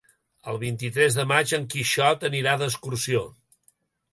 El vint-i-tres de maig en Quixot anirà d'excursió.